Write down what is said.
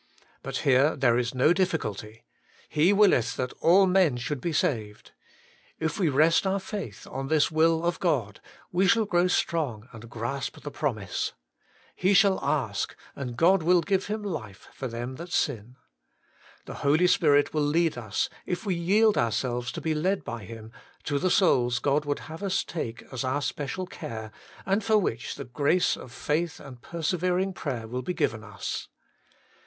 But here there is no difficulty. ' He willeth that all men should be saved.' If we rest our faith on this will of God, we shall grow strong and grasp the promise. ' He shall ask, and God will give him life for them that sin. The Holy Spirit will lead us, if we yield ourselves to be led by Him, to the souls God would have us take as our special care, and for which the grace of faith and persevering prayer will be given us.